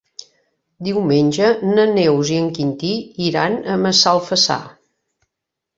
Diumenge na Neus i en Quintí iran a Massalfassar.